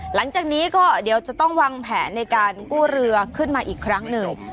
หลังจากนี้ก็เดี๋ยวจะต้องวางแผนในการกู้เรือขึ้นมาอีกครั้งหนึ่ง